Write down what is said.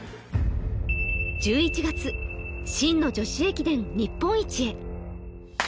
１１月、真の女子駅伝日本一へ。